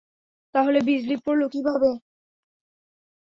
তাহলে বিজলি পড়লো কীভাবে?